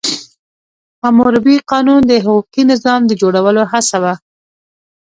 حموربي قانون د حقوقي نظام د جوړولو هڅه وه.